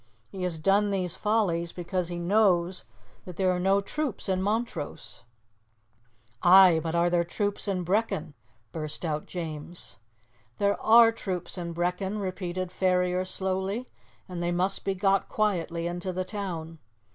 He has done these follies because he knows that there are no troops in Montrose." "Ay, but there are troops in Brechin!" burst out James. "There are troops in Brechin," repeated Ferrier slowly, "and they must be got quietly into the town.